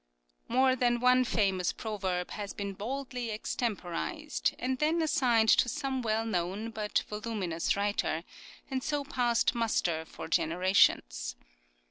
More than one famous proverb has been boldly extemporised, and then assigned to some well known but voluminous writer, and so passed 274 CURIOSITIES OF muster for generations.